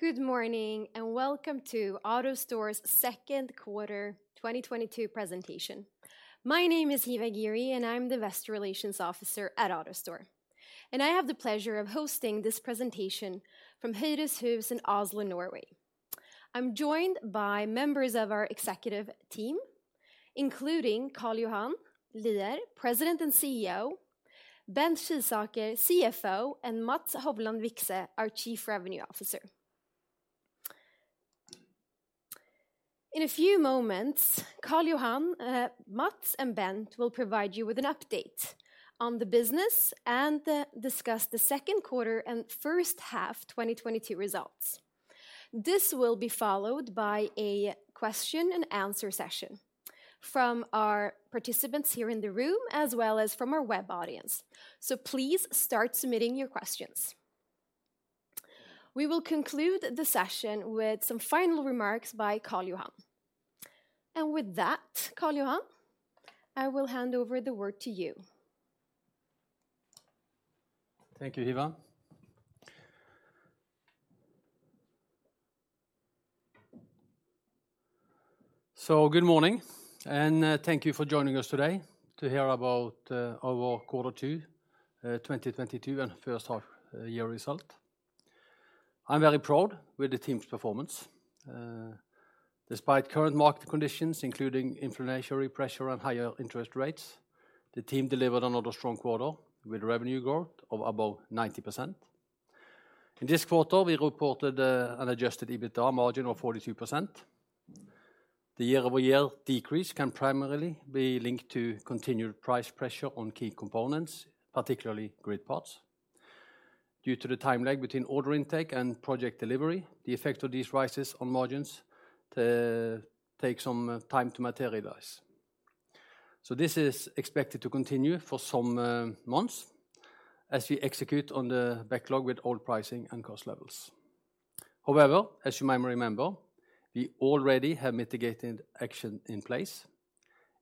Good morning, and welcome to AutoStore's second quarter 2022 presentation. My name is Hiva Ghiri, and I'm the Investor Relations Officer at AutoStore. I have the pleasure of hosting this presentation from Høyres Hus in Oslo, Norway. I'm joined by members of our executive team, including Karl Johan Lier, President and CEO, Bent Skisaker, CFO, and Mats Hovland Vikse, our Chief Revenue Officer. In a few moments, Karl Johan, Mats, and Bent will provide you with an update on the business and discuss the second quarter and first half 2022 results. This will be followed by a question and answer session from our participants here in the room, as well as from our web audience. Please start submitting your questions. We will conclude the session with some final remarks by Karl Johan. With that, Karl Johan, I will hand over the word to you. Thank you, Hiva. Good morning, and thank you for joining us today to hear about our quarter two 2022 and first half year result. I'm very proud with the team's performance. Despite current market conditions, including inflationary pressure and higher interest rates, the team delivered another strong quarter with revenue growth of above 90%. In this quarter, we reported an Adjusted EBITDA margin of 42%. The year-over-year decrease can primarily be linked to continued price pressure on key components, particularly Grid parts. Due to the time lag between order intake and project delivery, the effect of these rises on margins take some time to materialize. This is expected to continue for some months as we execute on the backlog with all pricing and cost levels. However, as you might remember, we already have mitigated action in place,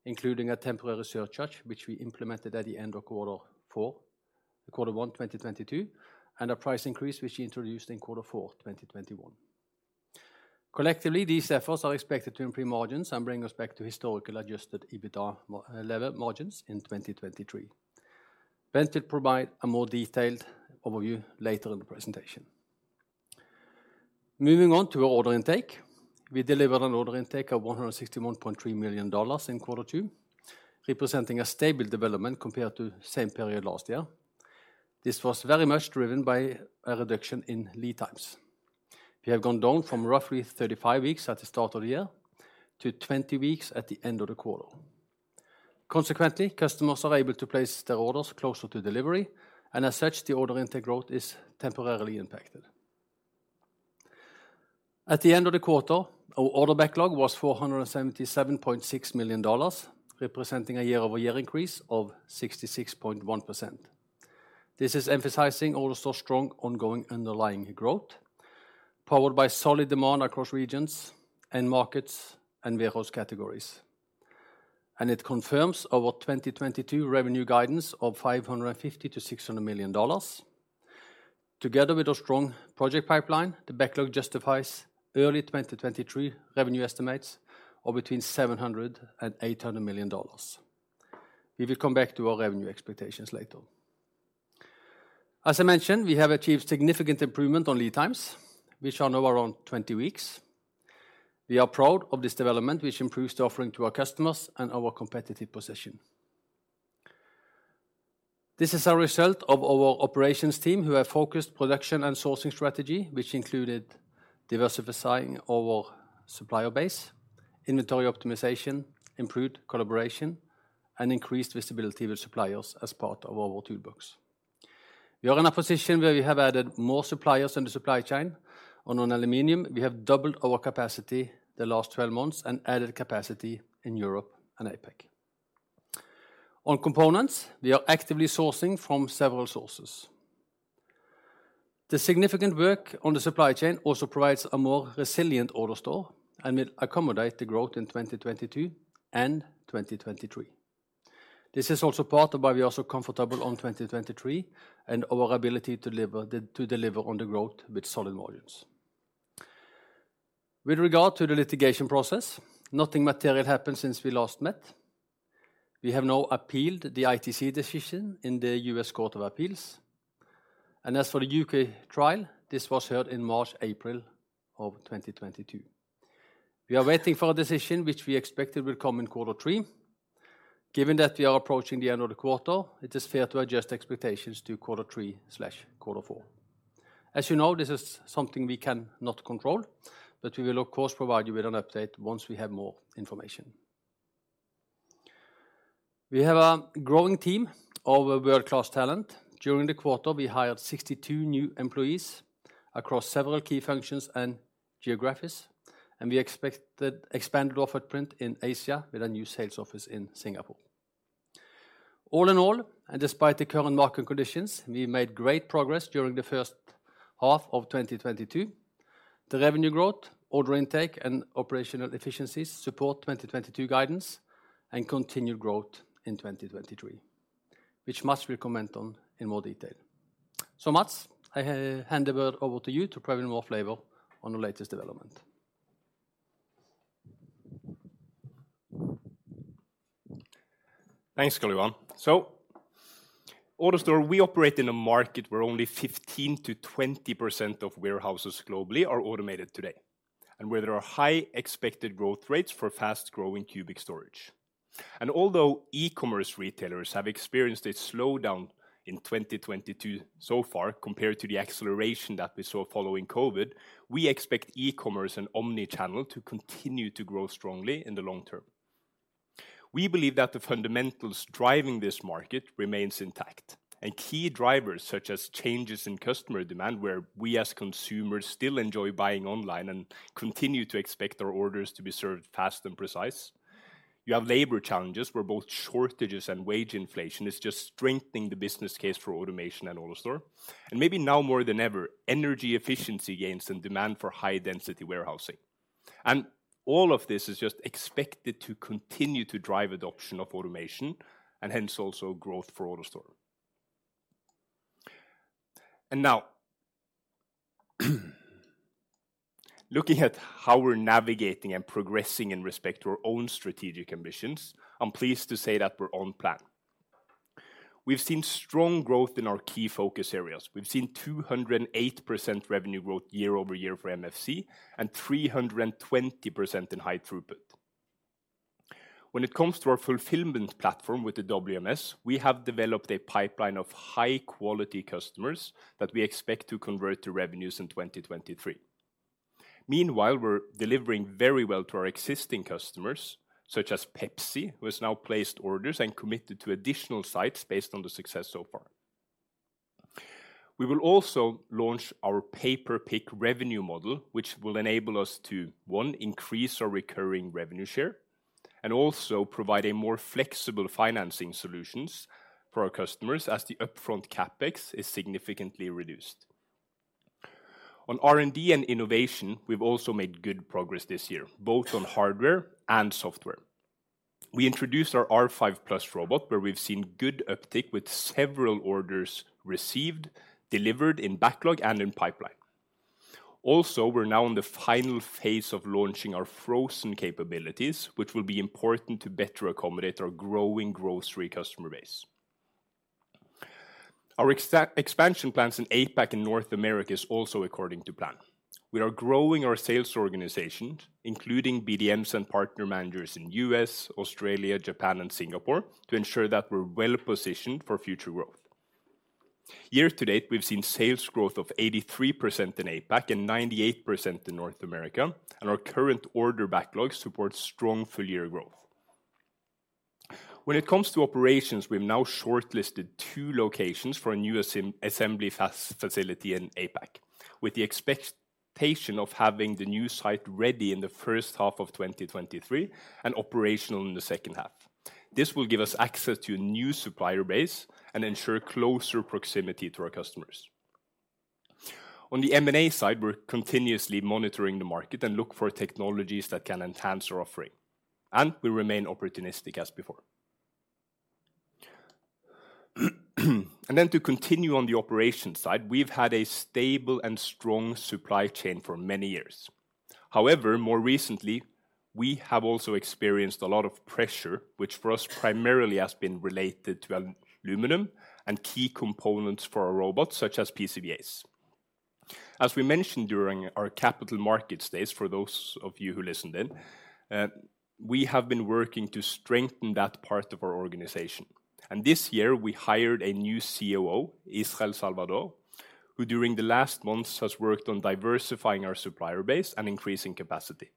including a temporary surcharge, which we implemented at the end of quarter one, 2022, and a price increase, which we introduced in quarter four, 2021. Collectively, these efforts are expected to improve margins and bring us back to historical Adjusted EBITDA level margins in 2023. Bent will provide a more detailed overview later in the presentation. Moving on to our order intake. We delivered an order intake of $161.3 million in quarter two, representing a stable development compared to same period last year. This was very much driven by a reduction in lead times. We have gone down from roughly 35 weeks at the start of the year to 20 weeks at the end of the quarter. Consequently, customers are able to place their orders closer to delivery, and as such, the order intake growth is temporarily impacted. At the end of the quarter, our order backlog was $477.6 million, representing a year-over-year increase of 66.1%. This is emphasizing AutoStore's strong ongoing underlying growth, powered by solid demand across regions and markets and various categories. It confirms our 2022 revenue guidance of $550 million-$600 million. Together with our strong project pipeline, the backlog justifies early 2023 revenue estimates of between $700 million and $800 million. We will come back to our revenue expectations later. As I mentioned, we have achieved significant improvement on lead times, which are now around 20 weeks. We are proud of this development, which improves the offering to our customers and our competitive position. This is a result of our operations team who have focused production and sourcing strategy, which included diversifying our supplier base, inventory optimization, improved collaboration, and increased visibility with suppliers as part of our toolbox. We are in a position where we have added more suppliers in the supply chain. On aluminum, we have doubled our capacity the last 12 months and added capacity in Europe and APAC. On components, we are actively sourcing from several sources. The significant work on the supply chain also provides a more resilient AutoStore and will accommodate the growth in 2022 and 2023. This is also part of why we are so comfortable on 2023 and our ability to deliver on the growth with solid margins. With regard to the litigation process, nothing material happened since we last met. We have now appealed the ITC decision in the U.S. Court of Appeals. As for the U.K. trial, this was heard in March, April of 2022. We are waiting for a decision which we expect will come in quarter three. Given that we are approaching the end of the quarter, it is fair to adjust expectations to quarter three/quarter four. As you know, this is something we cannot control, but we will of course provide you with an update once we have more information. We have a growing team of world-class talent. During the quarter, we hired 62 new employees across several key functions and geographies, and we expect to expand footprint in Asia with a new sales office in Singapore. All in all, despite the current market conditions, we made great progress during the first half of 2022. The revenue growth, order intake, and operational efficiencies support 2022 guidance and continued growth in 2023, which Mats will comment on in more detail. Mats, I hand over to you to provide more flavor on the latest development. Thanks, Karl Johan. AutoStore, we operate in a market where only 15%-20% of warehouses globally are automated today, and where there are high expected growth rates for fast-growing cubic storage. Although e-commerce retailers have experienced a slowdown in 2022 so far, compared to the acceleration that we saw following COVID, we expect e-commerce and omnichannel to continue to grow strongly in the long term. We believe that the fundamentals driving this market remains intact, and key drivers, such as changes in customer demand, where we, as consumers, still enjoy buying online and continue to expect our orders to be served fast and precise. You have labor challenges, where both shortages and wage inflation is just strengthening the business case for automation and AutoStore. Maybe now more than ever, energy efficiency gains and demand for high-density warehousing. All of this is just expected to continue to drive adoption of automation, and hence also growth for AutoStore. Now, looking at how we're navigating and progressing in respect to our own strategic ambitions, I'm pleased to say that we're on plan. We've seen strong growth in our key focus areas. We've seen 208% revenue growth year-over-year for MFC, and 320% in high throughput. When it comes to our fulfillment platform with the WMS, we have developed a pipeline of high-quality customers that we expect to convert to revenues in 2023. Meanwhile, we're delivering very well to our existing customers, such as Pepsi, who has now placed orders and committed to additional sites based on the success so far. We will also launch our pay-per-pick revenue model, which will enable us to, one, increase our recurring revenue share, and also provide a more flexible financing solutions for our customers as the upfront CapEx is significantly reduced. On R&D and innovation, we've also made good progress this year, both on hardware and software. We introduced our R5+ Robot, where we've seen good uptick with several orders received, delivered in backlog and in pipeline. Also, we're now in the final phase of launching our frozen capabilities, which will be important to better accommodate our growing grocery customer base. Our extra-expansion plans in APAC and North America is also according to plan. We are growing our sales organization, including BDMs and partner managers in U.S., Australia, Japan, and Singapore, to ensure that we're well-positioned for future growth. Year to date, we've seen sales growth of 83% in APAC and 98% in North America, and our current order backlog supports strong full year growth. When it comes to operations, we've now shortlisted two locations for a new assembly facility in APAC, with the expectation of having the new site ready in the first half of 2023 and operational in the second half. This will give us access to a new supplier base and ensure closer proximity to our customers. On the M&A side, we're continuously monitoring the market and look for technologies that can enhance our offering, and we remain opportunistic as before. To continue on the operations side, we've had a stable and strong supply chain for many years. However, more recently, we have also experienced a lot of pressure, which for us primarily has been related to aluminum and key components for our robots, such as PCBAs. As we mentioned during our Capital Markets Day, for those of you who listened in, we have been working to strengthen that part of our organization. This year, we hired a new COO, Israel Losada Salvador, who during the last months has worked on diversifying our supplier base and increasing capacity.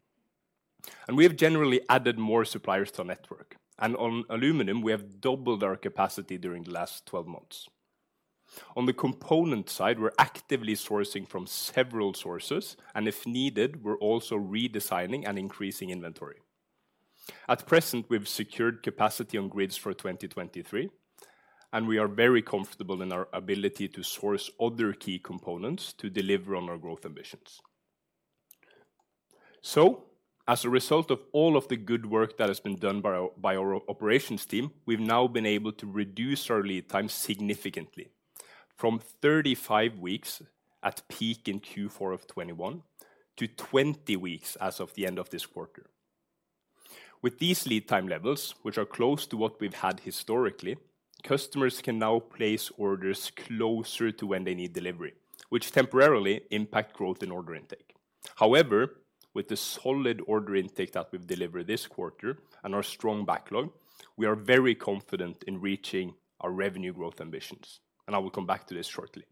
We have generally added more suppliers to our network. On aluminum, we have doubled our capacity during the last 12 months. On the component side, we're actively sourcing from several sources, and if needed, we're also redesigning and increasing inventory. At present, we've secured capacity on Grids for 2023, and we are very comfortable in our ability to source other key components to deliver on our growth ambitions. As a result of all of the good work that has been done by our operations team, we've now been able to reduce our lead time significantly from 35 weeks at peak in Q4 of 2021 to 20 weeks as of the end of this quarter. With these lead time levels, which are close to what we've had historically, customers can now place orders closer to when they need delivery, which temporarily impact growth in order intake. However, with the solid order intake that we've delivered this quarter and our strong backlog, we are very confident in reaching our revenue growth ambitions. I will come back to this shortly.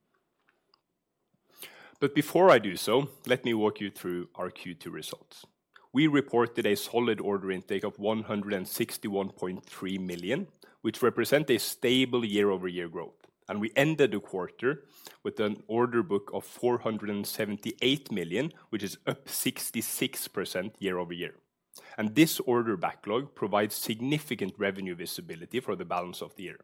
Before I do so, let me walk you through our Q2 results. We reported a solid order intake of $161.3 million, which represent a stable year-over-year growth. We ended the quarter with an order book of $478 million, which is up 66% year-over-year. This order backlog provides significant revenue visibility for the balance of the year.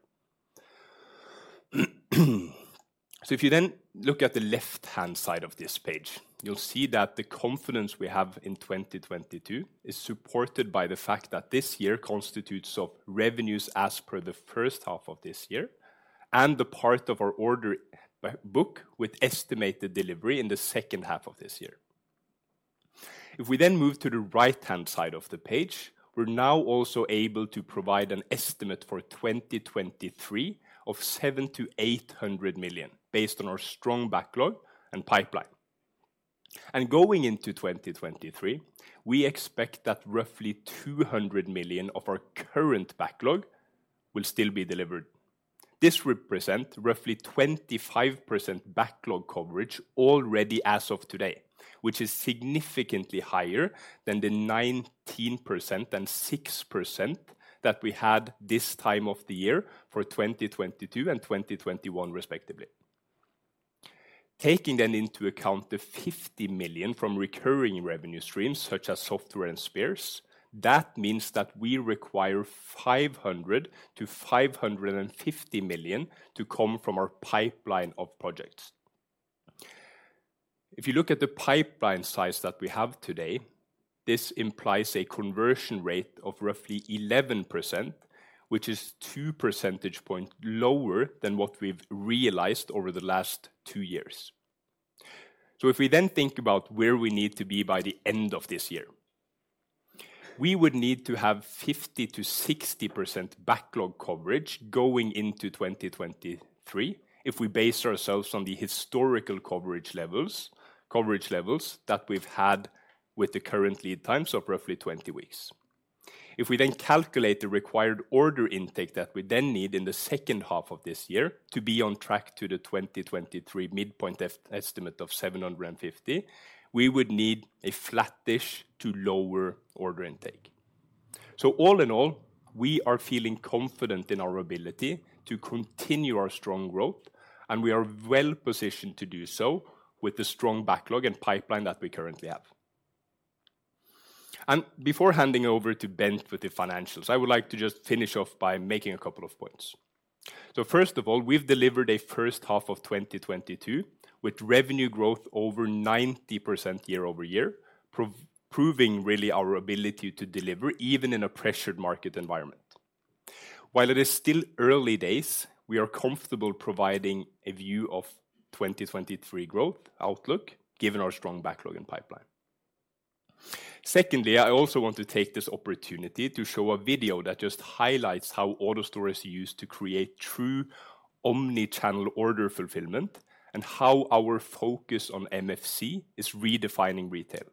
If you then look at the left-hand side of this page, you'll see that the confidence we have in 2022 is supported by the fact that this year constitutes of revenues as per the first half of this year and the part of our order book with estimated delivery in the second half of this year. If we then move to the right-hand side of the page, we're now also able to provide an estimate for 2023 of $700 million-$800 million based on our strong backlog and pipeline. Going into 2023, we expect that roughly $200 million of our current backlog will still be delivered. This represent roughly 25% backlog coverage already as of today, which is significantly higher than the 19% and 6% that we had this time of the year for 2022 and 2021 respectively. Taking then into account the $50 million from recurring revenue streams such as software and spares, that means that we require $500 million-$550 million to come from our pipeline of projects. If you look at the pipeline size that we have today, this implies a conversion rate of roughly 11%, which is two percentage point lower than what we've realized over the last two years. If we then think about where we need to be by the end of this year, we would need to have 50%-60% backlog coverage going into 2023 if we base ourselves on the historical coverage levels, coverage levels that we've had with the current lead times of roughly 20 weeks. If we then calculate the required order intake that we then need in the second half of this year to be on track to the 2023 midpoint estimate of $750, we would need a flat-ish to lower order intake. All in all, we are feeling confident in our ability to continue our strong growth, and we are well-positioned to do so with the strong backlog and pipeline that we currently have. Before handing over to Bent for the financials, I would like to just finish off by making a couple of points. First of all, we've delivered a first half of 2022 with revenue growth over 90% year-over-year, proving really our ability to deliver even in a pressured market environment. While it is still early days, we are comfortable providing a view of 2023 growth outlook given our strong backlog and pipeline. Secondly, I also want to take this opportunity to show a video that just highlights how AutoStore is used to create true omnichannel order fulfillment and how our focus on MFC is redefining retail.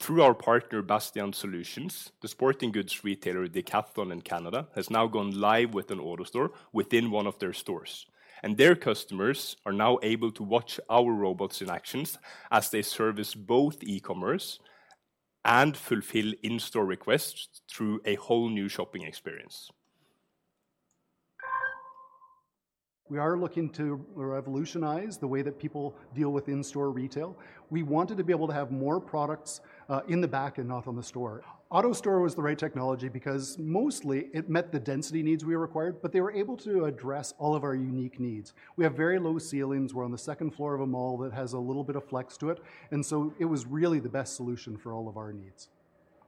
Through our partner, Bastian Solutions, the sporting goods retailer, Decathlon in Canada, has now gone live with an AutoStore within one of their stores. Their customers are now able to watch our robots in action as they service both e-commerce and fulfill in-store requests through a whole new shopping experience. We are looking to revolutionize the way that people deal with in-store retail. We wanted to be able to have more products in the back and not on the store. AutoStore was the right technology because mostly it met the density needs we required, but they were able to address all of our unique needs. We have very low ceilings. We're on the second floor of a mall that has a little bit of flex to it. It was really the best solution for all of our needs.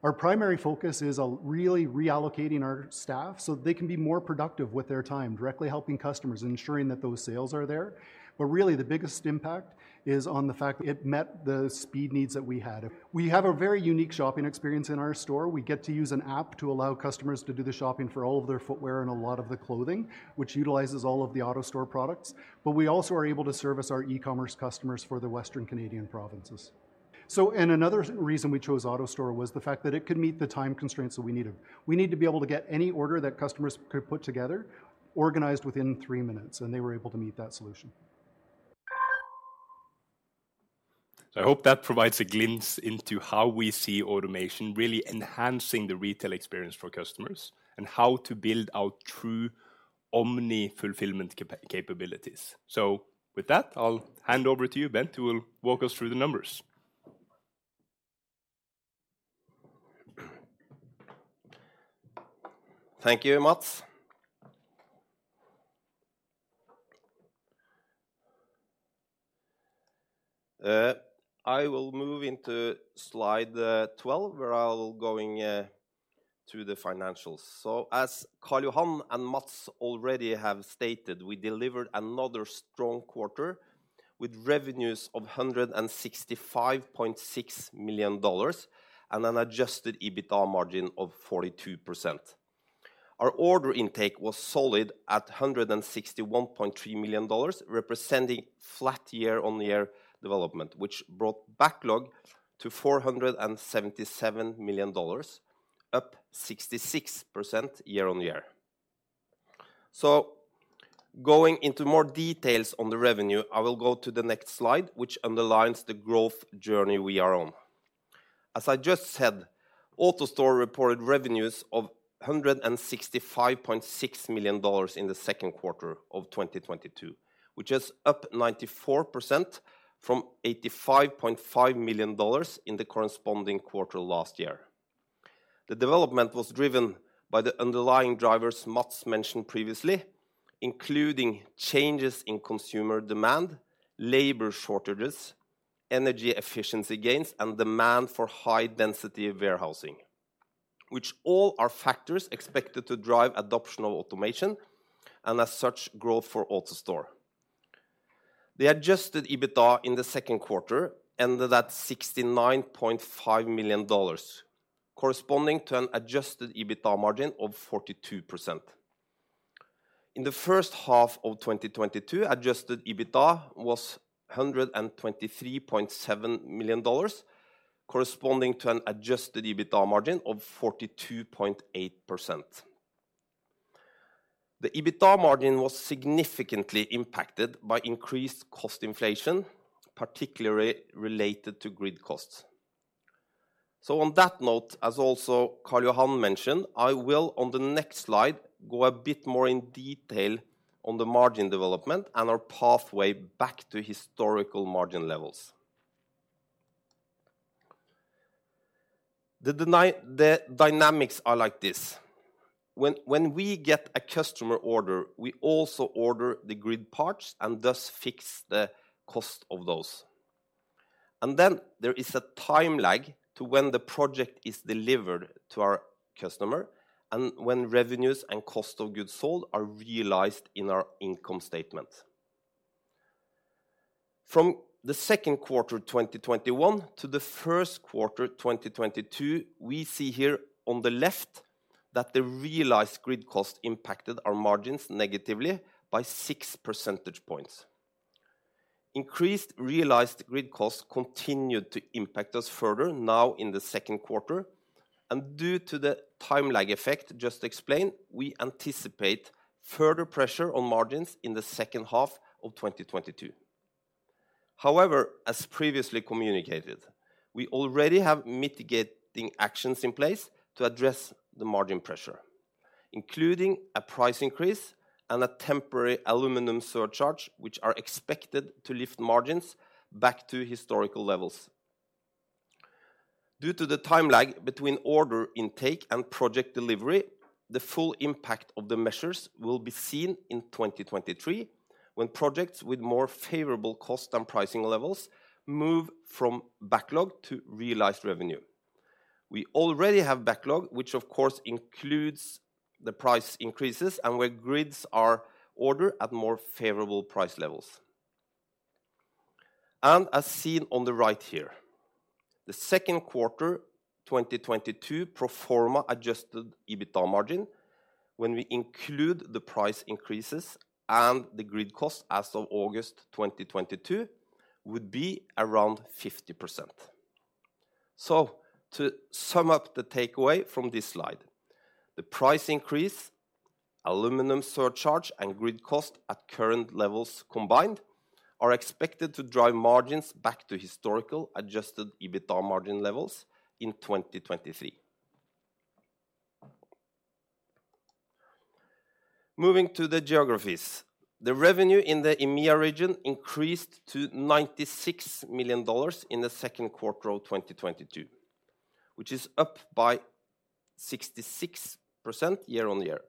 Our primary focus is really reallocating our staff so they can be more productive with their time, directly helping customers, ensuring that those sales are there. Really the biggest impact is on the fact it met the speed needs that we had. We have a very unique shopping experience in our store. We get to use an app to allow customers to do the shopping for all of their footwear and a lot of the clothing, which utilizes all of the AutoStore products. We also are able to service our e-commerce customers for the Western Canadian provinces. Another reason we chose AutoStore was the fact that it could meet the time constraints that we needed. We need to be able to get any order that customers could put together organized within three minutes, and they were able to meet that solution. I hope that provides a glimpse into how we see automation really enhancing the retail experience for customers and how to build our true omni-fulfillment capabilities. With that, I'll hand over to you, Bent, who will walk us through the numbers. Thank you, Mats. I will move into slide 12, where I will go through the financials. As Karl Johan and Mats already have stated, we delivered another strong quarter with revenues of $165.6 million and an Adjusted EBITDA margin of 42%. Our order intake was solid at $161.3 million, representing flat year-on-year development, which brought backlog to $477 million, up 66% year-on-year. Going into more details on the revenue, I will go to the next slide, which underlines the growth journey we are on. As I just said, AutoStore reported revenues of $165.6 million in the second quarter of 2022, which is up 94% from $85.5 million in the corresponding quarter last year. The development was driven by the underlying drivers Mats mentioned previously, including changes in consumer demand, labor shortages, energy efficiency gains, and demand for high density warehousing, which all are factors expected to drive adoption of automation and as such, growth for AutoStore. The Adjusted EBITDA in the second quarter ended at $69.5 million, corresponding to an Adjusted EBITDA margin of 42%. In the first half of 2022, Adjusted EBITDA was $123.7 million, corresponding to an Adjusted EBITDA margin of 42.8%. The EBITDA margin was significantly impacted by increased cost inflation, particularly related to Grid costs. On that note, as also Karl Johan mentioned, I will on the next slide go a bit more in detail on the margin development and our pathway back to historical margin levels. The dynamics are like this: When we get a customer order, we also order the Grid parts and thus fix the cost of those. There is a time lag to when the project is delivered to our customer and when revenues and cost of goods sold are realized in our income statement. From the second quarter 2021 to the first quarter 2022, we see here on the left that the realized Grid cost impacted our margins negatively by 6 percentage points. Increased realized Grid costs continued to impact us further now in the second quarter, and due to the time lag effect just explained, we anticipate further pressure on margins in the second half of 2022. However, as previously communicated, we already have mitigating actions in place to address the margin pressure, including a price increase and a temporary aluminum surcharge, which are expected to lift margins back to historical levels. Due to the time lag between order intake and project delivery, the full impact of the measures will be seen in 2023, when projects with more favorable cost and pricing levels move from backlog to realized revenue. We already have backlog, which of course includes the price increases and where Grids are ordered at more favorable price levels. As seen on the right here, the second quarter 2022 pro forma Adjusted EBITDA margin when we include the price increases and the Grid costs as of August 2022, would be around 50%. To sum up the takeaway from this slide, the price increase, aluminum surcharge, and Grid cost at current levels combined are expected to drive margins back to historical Adjusted EBITDA margin levels in 2023. Moving to the geographies. The revenue in the EMEA region increased to $96 million in the second quarter of 2022, which is up by 66% year-on-year.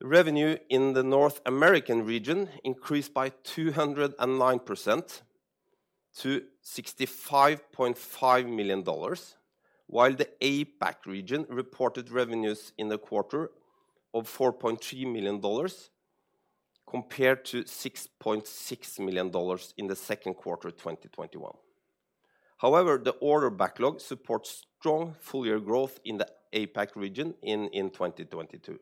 The revenue in the North American region increased by 209% to $65.5 million, while the APAC region reported revenues in the quarter of $4.3 million compared to $6.6 million in the second quarter of 2021. However, the order backlog supports strong full year growth in the APAC region in 2022.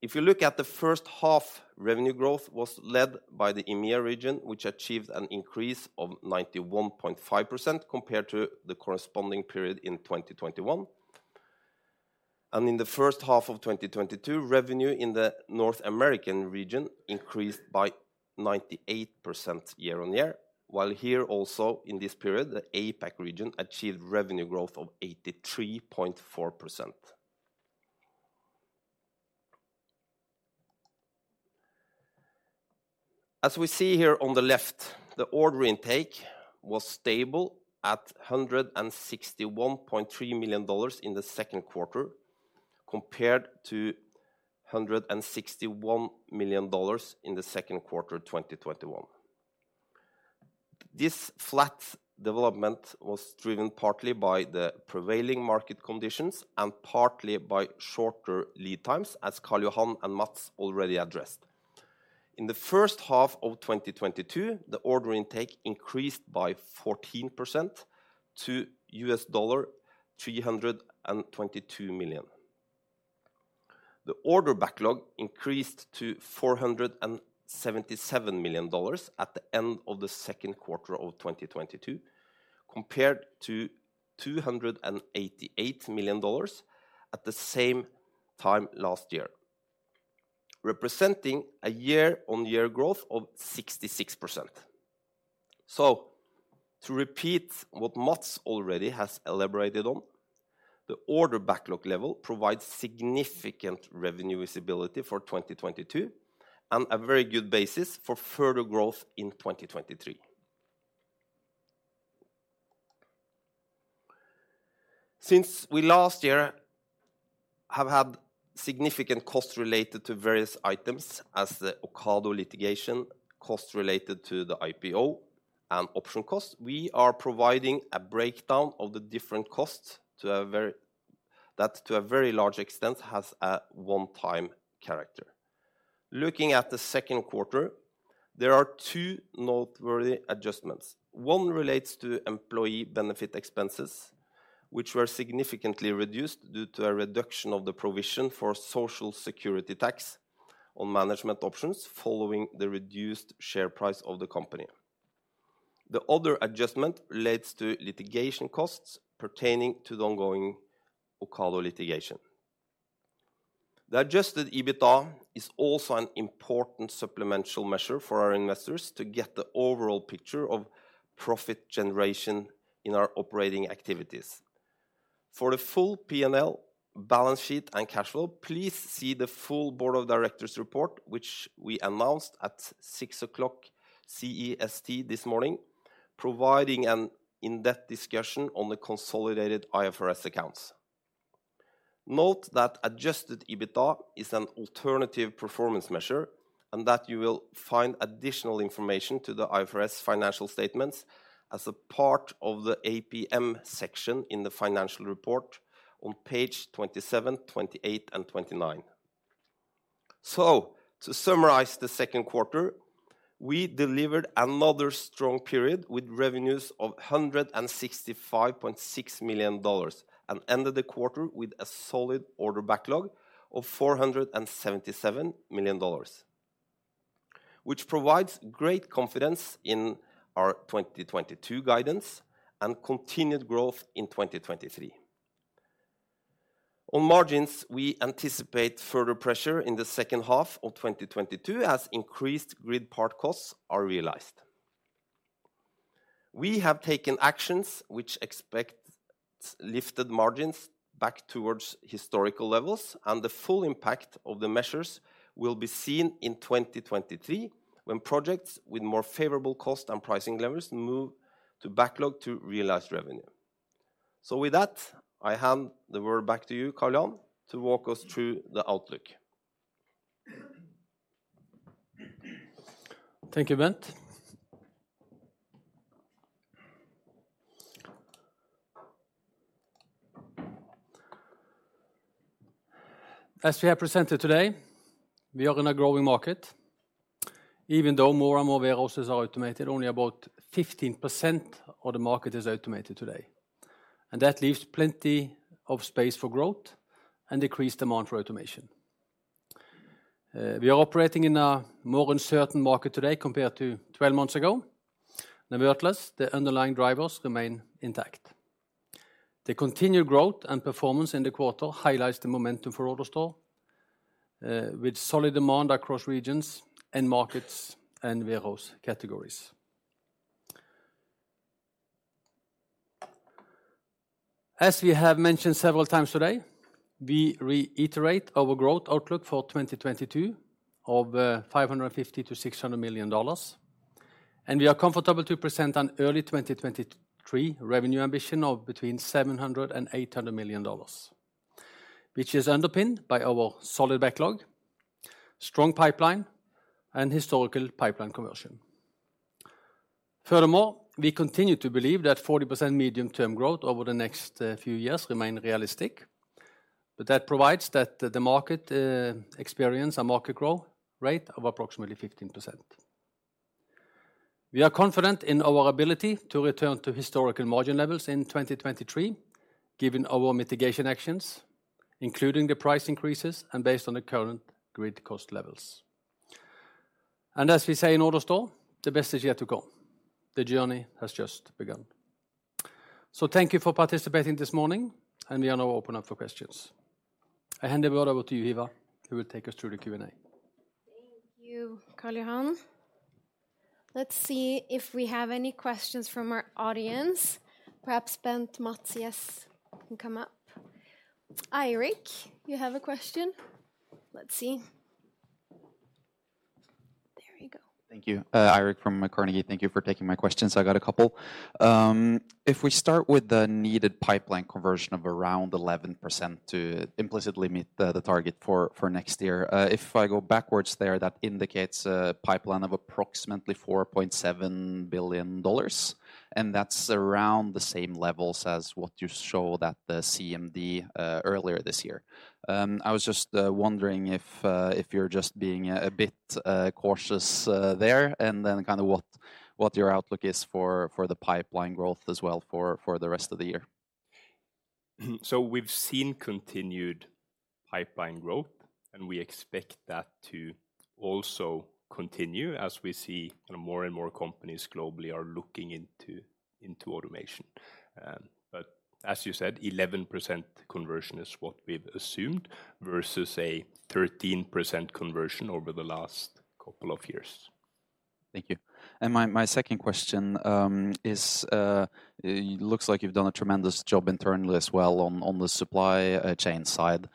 If you look at the first half, revenue growth was led by the EMEA region, which achieved an increase of 91.5% compared to the corresponding period in 2021. In the first half of 2022, revenue in the North American region increased by 98% year-on-year, while here also in this period, the APAC region achieved revenue growth of 83.4%. As we see here on the left, the order intake was stable at $161.3 million in the second quarter, compared to $161 million in the second quarter of 2021. This flat development was driven partly by the prevailing market conditions and partly by shorter lead times, as Karl Johan and Mats already addressed. In the first half of 2022, the order intake increased by 14% to $322 million. The order backlog increased to $477 million at the end of the second quarter of 2022, compared to $288 million at the same time last year, representing a year-on-year growth of 66%. To repeat what Mats already has elaborated on, the order backlog level provides significant revenue visibility for 2022 and a very good basis for further growth in 2023. Since we last year have had significant costs related to various items as the Ocado litigation, costs related to the IPO and option costs, we are providing a breakdown of the different costs to a very large extent that has a one-time character. Looking at the second quarter, there are two noteworthy adjustments. One relates to employee benefit expenses, which were significantly reduced due to a reduction of the provision for Social Security tax on management options following the reduced share price of the company. The other adjustment relates to litigation costs pertaining to the ongoing Ocado litigation. The Adjusted EBITDA is also an important supplemental measure for our investors to get the overall picture of profit generation in our operating activities. For the full P&L balance sheet and cash flow, please see the full board of directors report, which we announced at 6:00 A.M. CEST this morning, providing an in-depth discussion on the consolidated IFRS accounts. Note that Adjusted EBITDA is an alternative performance measure and that you will find additional information to the IFRS financial statements as a part of the APM section in the financial report on page 27, 28 and 29. To summarize the second quarter, we delivered another strong period with revenues of $165.6 million and ended the quarter with a solid order backlog of $477 million, which provides great confidence in our 2022 guidance and continued growth in 2023. On margins, we anticipate further pressure in the second half of 2022 as increased Grid part costs are realized. We have taken actions which expect lifted margins back towards historical levels, and the full impact of the measures will be seen in 2023 when projects with more favorable cost and pricing levels move to backlog to realized revenue. With that, I hand the word back to you, Karl Johan, to walk us through the outlook. Thank you, Bent. As we have presented today, we are in a growing market. Even though more and more warehouses are automated, only about 15% of the market is automated today, and that leaves plenty of space for growth and increased demand for automation. We are operating in a more uncertain market today compared to 12 months ago. Nevertheless, the underlying drivers remain intact. The continued growth and performance in the quarter highlights the momentum for AutoStore, with solid demand across regions and markets and warehouse categories. As we have mentioned several times today, we reiterate our growth outlook for 2022 of $550 million-$600 million, and we are comfortable to present an early 2023 revenue ambition of between $700 million and $800 million, which is underpinned by our solid backlog, strong pipeline, and historical pipeline conversion. Furthermore, we continue to believe that 40% medium-term growth over the next few years remains realistic, provided that the market experiences a market growth rate of approximately 15%. We are confident in our ability to return to historical margin levels in 2023, given our mitigation actions, including the price increases and based on the current Grid cost levels. As we say in AutoStore, the best is yet to come. The journey has just begun. Thank you for participating this morning, and we are now opening up for questions. I hand the word over to you, Hiva, who will take us through the Q&A. Thank you, Karl Johan. Let's see if we have any questions from our audience. Perhaps Bent, Mats, yes, can come up. Eirik, you have a question? Let's see. There you go. Thank you. Eirik from Carnegie. Thank you for taking my questions. I got a couple. If we start with the needed pipeline conversion of around 11% to implicitly meet the target for next year, if I go backwards there, that indicates a pipeline of approximately $4.7 billion, and that's around the same levels as what you showed at the CMD earlier this year. I was just wondering if you're just being a bit cautious there, and then kind of what your outlook is for the pipeline growth as well for the rest of the year. We've seen continued pipeline growth, and we expect that to also continue as we see more and more companies globally are looking into automation. But as you said, 11% conversion is what we've assumed versus a 13% conversion over the last couple of years. Thank you. My second question is it looks like you've done a tremendous job internally as well on the supply chain side.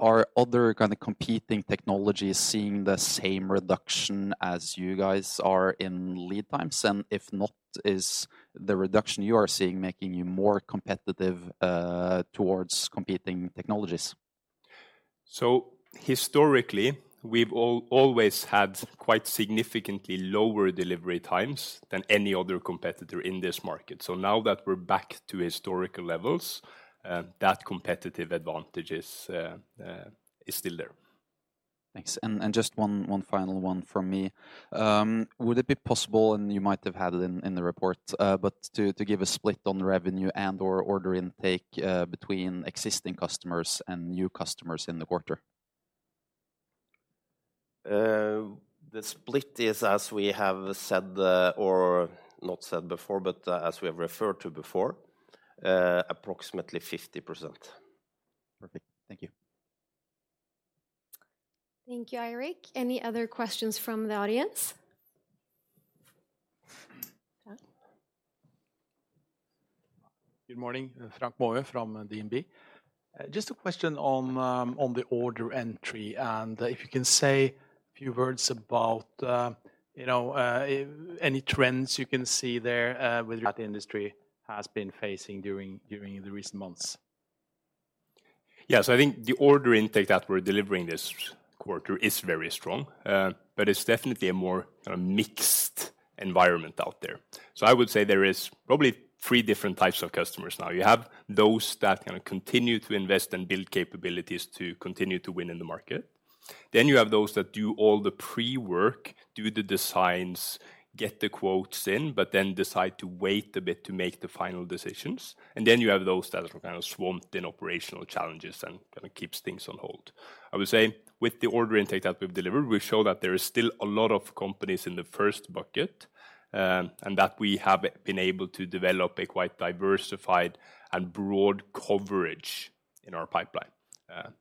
Are other kind of competing technologies seeing the same reduction as you guys are in lead times? And if not, is the reduction you are seeing making you more competitive towards competing technologies? Historically, we've always had quite significantly lower delivery times than any other competitor in this market. Now that we're back to historical levels, that competitive advantage is still there. Thanks. Just one final one from me. Would it be possible, and you might have had it in the report, but to give a split on revenue and/or order intake between existing customers and new customers in the quarter? The split is, as we have said, or not said before, but, as we have referred to before, approximately 50%. Perfect. Thank you. Thank you, Eirik. Any other questions from the audience? Yeah. Good morning. Frank Maaø from DNB. Just a question on the order entry, and if you can say a few words about, you know, any trends you can see there, with what the industry has been facing during the recent months. Yeah. I think the order intake that we're delivering this quarter is very strong, but it's definitely a more kind of mixed environment out there. I would say there is probably three different types of customers now. You have those that kind of continue to invest and build capabilities to continue to win in the market. Then you have those that do all the pre-work, do the designs, get the quotes in, but then decide to wait a bit to make the final decisions. And then you have those that are kind of swamped in operational challenges and kind of keeps things on hold. I would say with the order intake that we've delivered, we show that there is still a lot of companies in the first bucket, and that we have been able to develop a quite diversified and broad coverage in our pipeline.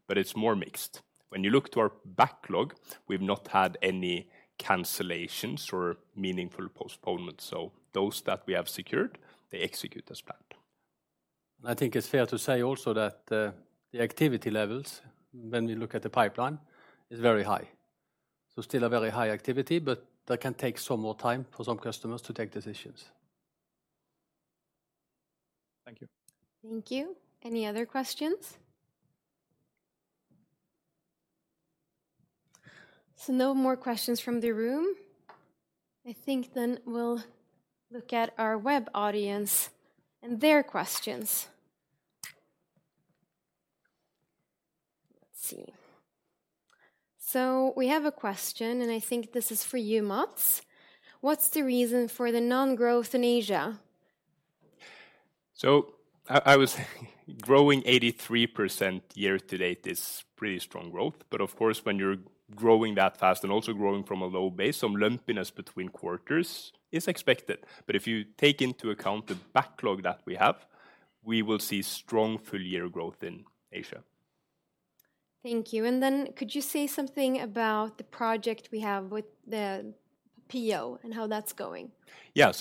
It's more mixed. When you look to our backlog, we've not had any cancellations or meaningful postponements. Those that we have secured, they execute as planned. I think it's fair to say also that, the activity levels when we look at the pipeline is very high. Still a very high activity, but that can take some more time for some customers to take decisions. Thank you. Thank you. Any other questions? No more questions from the room. I think we'll look at our web audience and their questions. Let's see. We have a question, and I think this is for you, Mats. What's the reason for the non-growth in Asia? Growing 83% year to date is pretty strong growth. Of course, when you're growing that fast and also growing from a low base, some lumpiness between quarters is expected. If you take into account the backlog that we have, we will see strong full year growth in Asia. Thank you. Could you say something about the project we have with the Pio and how that's going? Yeah.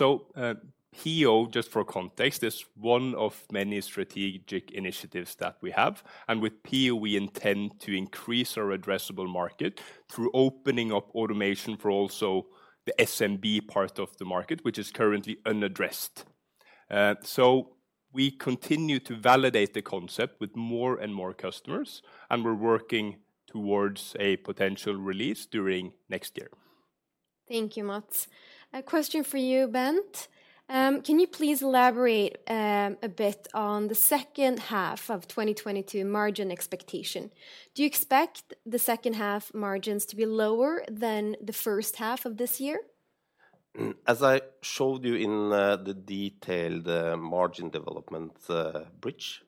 Pio, just for context, is one of many strategic initiatives that we have. With Pio, we intend to increase our addressable market through opening up automation for also the SMB part of the market, which is currently unaddressed. We continue to validate the concept with more and more customers, and we're working towards a potential release during next year. Thank you, Mats. A question for you, Bent. Can you please elaborate a bit on the second half of 2022 margin expectation? Do you expect the second half margins to be lower than the first half of this year? As I showed you in the detailed margin development bridge,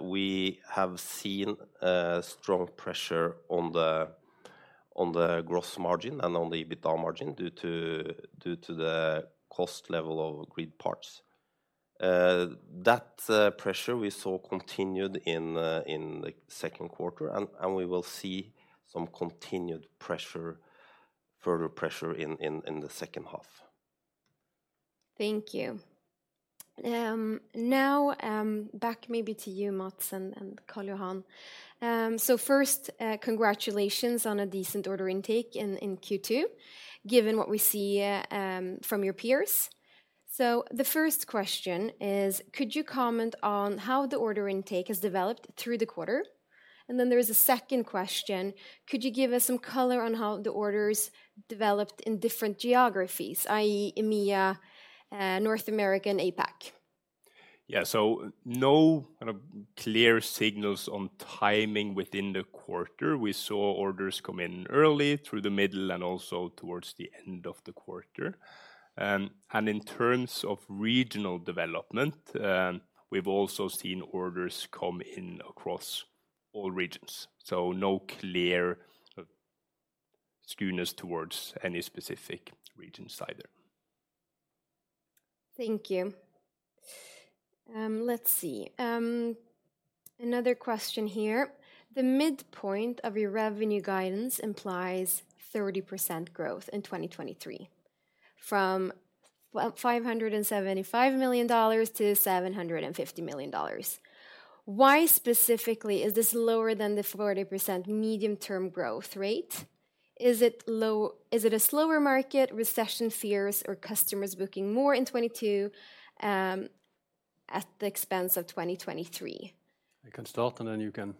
we have seen strong pressure on the gross margin and on the EBITDA margin due to the cost level of Grid parts. That pressure we saw continued in the second quarter, and we will see some continued pressure, further pressure in the second half. Thank you. Now, back maybe to you, Mats and Karl Johan. First, congratulations on a decent order intake in Q2, given what we see from your peers. The first question is, could you comment on how the order intake has developed through the quarter? Then there is a second question. Could you give us some color on how the orders developed in different geographies, i.e., EMEA, North America, and APAC? No kind of clear signals on timing within the quarter. We saw orders come in early through the middle and also towards the end of the quarter. In terms of regional development, we've also seen orders come in across all regions. No clear skewness towards any specific regions either. Thank you. Let's see. Another question here. The midpoint of your revenue guidance implies 30% growth in 2023 from $575 million to $750 million. Why specifically is this lower than the 40% medium-term growth rate? Is it a slower market, recession fears, or customers booking more in 2022 at the expense of 2023? I can start, and then you can.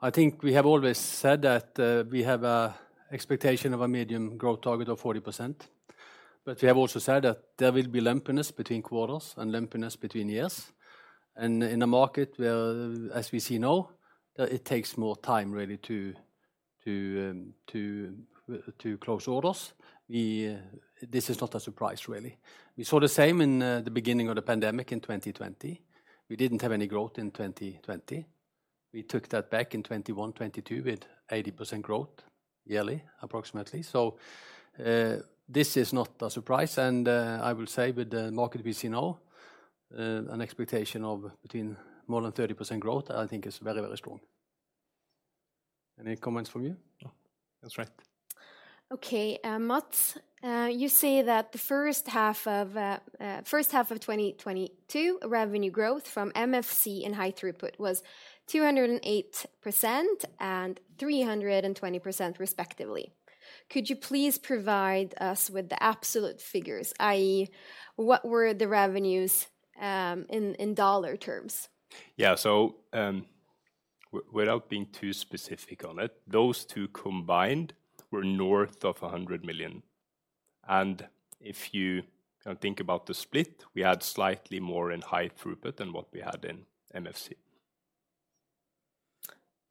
I think we have always said that we have an expectation of a mid-term growth target of 40%, but we have also said that there will be lumpiness between quarters and lumpiness between years. In a market where, as we see now, it takes more time really to close orders. This is not a surprise, really. We saw the same in the beginning of the pandemic in 2020. We didn't have any growth in 2020. We took that back in 2021, 2022, with 80% growth yearly, approximately. This is not a surprise. I will say with the market we see now, an expectation of more than 30% growth, I think is very, very strong. Any comments from you? No. That's right. Okay. Mats, you say that the first half of 2022 revenue growth from MFC and high throughput was 208% and 320% respectively. Could you please provide us with the absolute figures, i.e., what were the revenues in dollar terms? Without being too specific on it, those two combined were north of $100 million. If you kind of think about the split, we had slightly more in high-throughput than what we had in MFC.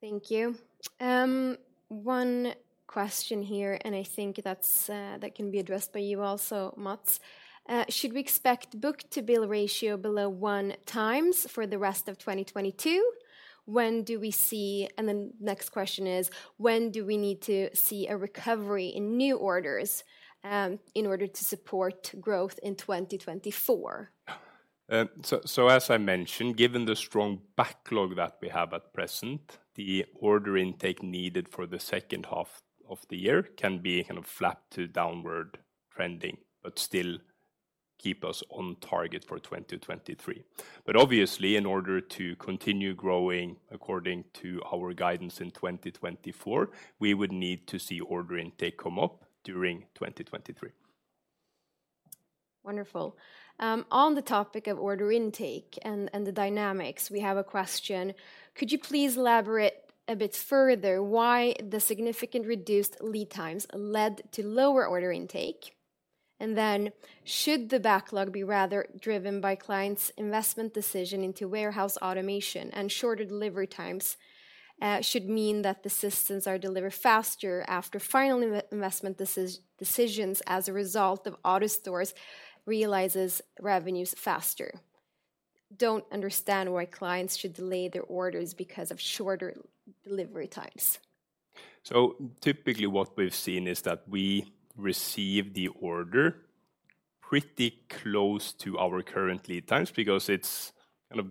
Thank you. One question here, and I think that can be addressed by you also, Mats. Should we expect book-to-bill ratio below one times for the rest of 2022? The next question is, when do we need to see a recovery in new orders in order to support growth in 2024? As I mentioned, given the strong backlog that we have at present, the order intake needed for the second half of the year can be kind of flat to downward trending, but still keep us on target for 2023. Obviously, in order to continue growing according to our guidance in 2024, we would need to see order intake come up during 2023. Wonderful. On the topic of order intake and the dynamics, we have a question. Could you please elaborate a bit further why the significantly reduced lead times led to lower order intake? Should the backlog be rather driven by clients' investment decision into warehouse automation and shorter delivery times should mean that the systems are delivered faster after final investment decisions as a result of AutoStore realizes revenues faster? Don't understand why clients should delay their orders because of shorter delivery times. Typically what we've seen is that we receive the order pretty close to our current lead times because it's kind of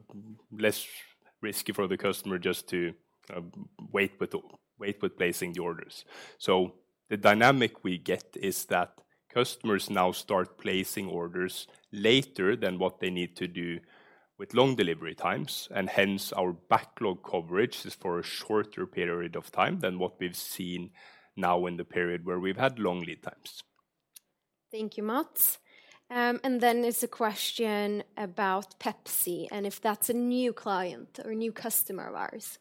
less risky for the customer just to wait with placing the orders. The dynamic we get is that customers now start placing orders later than what they need to do with long delivery times, and hence our backlog coverage is for a shorter period of time than what we've seen now in the period where we've had long lead times. Thank you, Mats. There's a question about Pepsi and if that's a new client or a new customer of ours.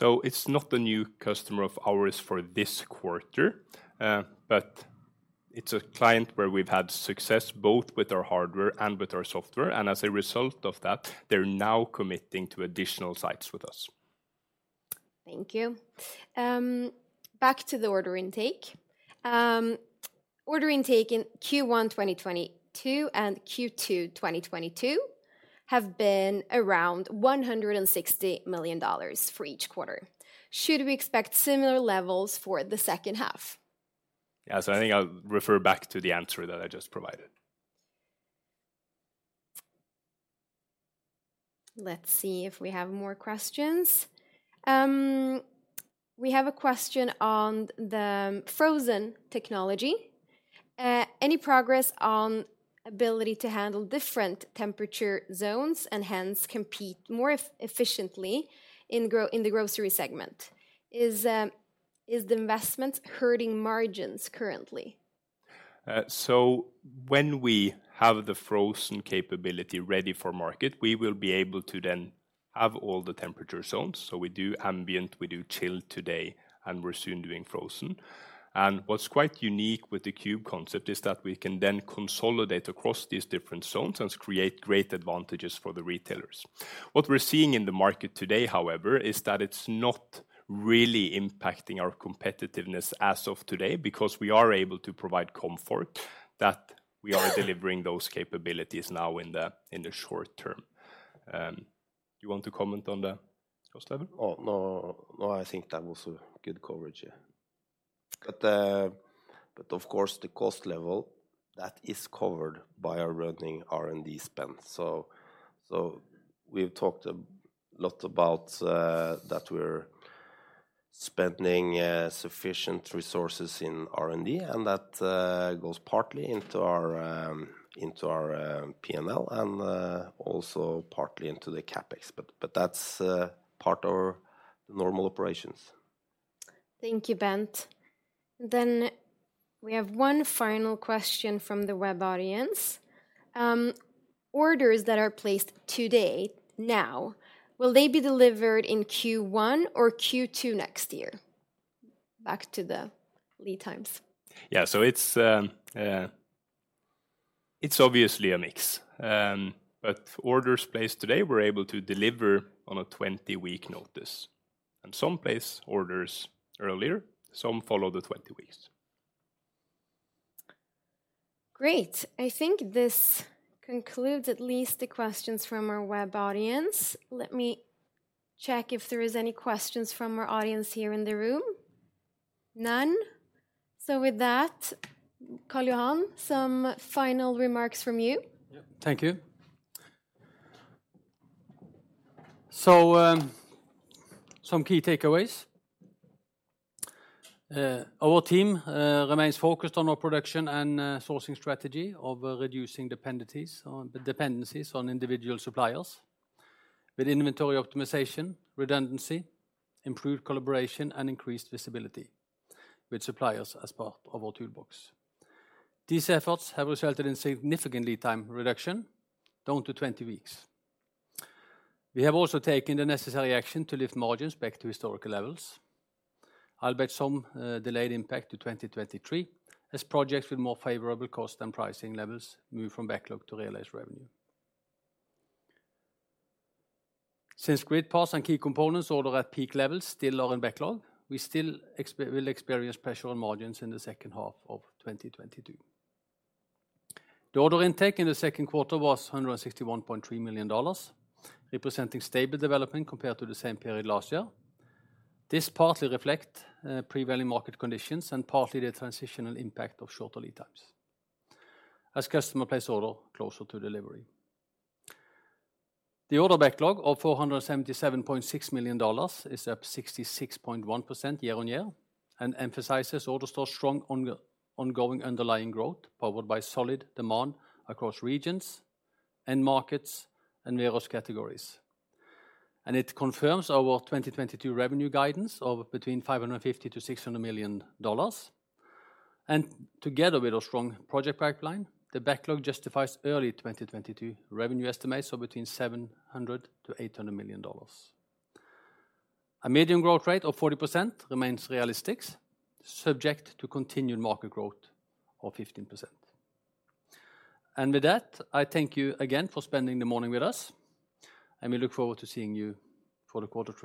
It's not a new customer of ours for this quarter, but it's a client where we've had success both with our hardware and with our software. As a result of that, they're now committing to additional sites with us. Thank you. Back to the order intake. Order intake in Q1 2022 and Q2 2022 have been around $160 million for each quarter. Should we expect similar levels for the second half? Yeah. I think I'll refer back to the answer that I just provided. Let's see if we have more questions. We have a question on the frozen technology. Any progress on ability to handle different temperature zones and hence compete more efficiently in the grocery segment? Is the investment hurting margins currently? When we have the frozen capability ready for market, we will be able to then have all the temperature zones. We do ambient, we do chill today, and we're soon doing frozen. What's quite unique with the cube concept is that we can then consolidate across these different zones and create great advantages for the retailers. What we're seeing in the market today, however, is that it's not really impacting our competitiveness as of today because we are able to provide comfort that we are delivering those capabilities now in the short term. You want to comment on that, Bent? Oh, no, I think that was a good coverage, yeah. Of course, the cost level that is covered by our running R&D spend. We've talked a lot about that we're spending sufficient resources in R&D, and that goes partly into our P&L and also partly into the CapEx. That's part of our normal operations. Thank you, Bent. We have one final question from the web audience. Orders that are placed today, now, will they be delivered in Q1 or Q2 next year? Back to the lead times. Yeah. It's obviously a mix. Orders placed today, we're able to deliver on a 20-week notice. Some place orders earlier, some follow the 20 weeks. Great. I think this concludes at least the questions from our web audience. Let me check if there is any questions from our audience here in the room. None. With that, Karl Johan, some final remarks from you. Yeah. Thank you. Some key takeaways. Our team remains focused on our production and sourcing strategy of reducing dependencies on individual suppliers with inventory optimization, redundancy, improved collaboration, and increased visibility with suppliers as part of our toolbox. These efforts have resulted in significant lead time reduction down to 20 weeks. We have also taken the necessary action to lift margins back to historical levels. We'll have some delayed impact to 2023 as projects with more favorable cost and pricing levels move from backlog to realized revenue. Since Grid parts and key components ordered at peak levels still are in backlog, we still will experience pressure on margins in the second half of 2022. The order intake in the second quarter was $161.3 million, representing stable development compared to the same period last year. This partly reflects prevailing market conditions and partly the transitional impact of shorter lead times as customers place orders closer to delivery. The order backlog of $477.6 million is up 66.1% year-on-year and emphasizes AutoStore's strong ongoing underlying growth, powered by solid demand across regions and markets and various categories. It confirms our 2022 revenue guidance of between $550-$600 million. Together with our strong project pipeline, the backlog justifies early 2022 revenue estimates of between $700-$800 million. A medium growth rate of 40% remains realistic, subject to continued market growth of 15%. With that, I thank you again for spending the morning with us, and we look forward to seeing you for the quarter three.